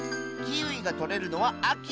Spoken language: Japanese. キウイがとれるのはあき。